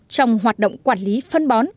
trong hoạt động quản lý phân bón